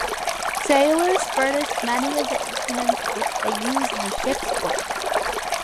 Sailors furnish many of the instruments which they use in the ship's work.